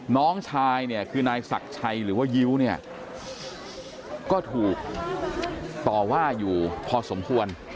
น้องชายเนี่ยคือนายศักดิ์ชัยหรือว่ายิ้วเนี่ยก็ถูกต่อว่าอยู่พอสมควร